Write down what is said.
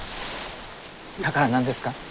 だから何ですか？